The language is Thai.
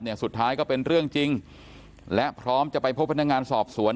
สุดท้ายก็เป็นเรื่องจริงและพร้อมจะไปพบพนักงานสอบสวน